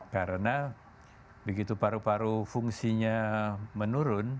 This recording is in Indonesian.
karena begitu paru paru fungsinya menurun